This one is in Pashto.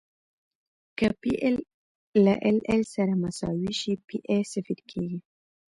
که پی ایل له ایل ایل سره مساوي شي پی ای صفر کیږي